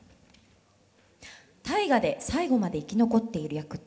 「『大河』で最後まで生き残っている役って」。